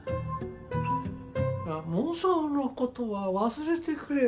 妄想の事は忘れてくれよ。